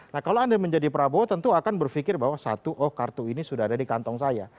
nah kalau anda menjadi prabowo tentu akan berpikir bahwa satu oh kartu ini sudah ada di kantong saya